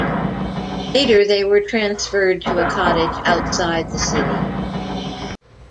Later they were transferred to a cottage outside the city.